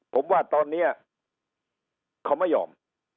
ผมว่าตอนนี้เขาไม่ยอม